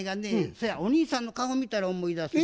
そやお兄さんの顔見たら思い出すんやわ。